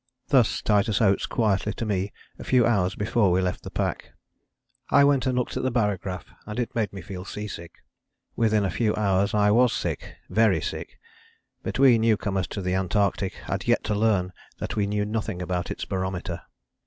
Thus Titus Oates quietly to me a few hours before we left the pack. I went and looked at the barograph and it made me feel sea sick. Within a few hours I was sick, very sick; but we newcomers to the Antarctic had yet to learn that we knew nothing about its barometer.